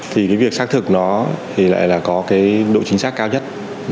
thì cái việc xác thực nó thì lại là có cái độ chính xác cao nhất